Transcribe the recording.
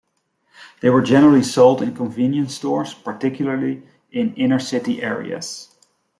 They were generally sold in convenience stores, particularly in inner-city areas.